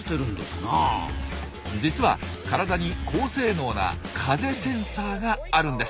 実は体に高性能な風センサーがあるんです。